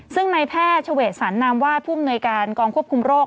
ซึ่งในแพทย์เฉวดสรรนามวาดผู้อำนวยการกองควบคุมโรค